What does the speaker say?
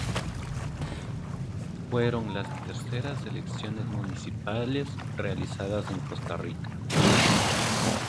Fueron las terceras elecciones municipales realizadas en Costa Rica.